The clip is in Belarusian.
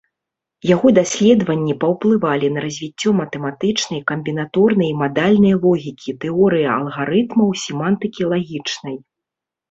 Яго даследаванні паўплывалі на развіццё матэматычнай, камбінаторнай і мадальнай логікі, тэорыі алгарытмаў, семантыкі лагічнай.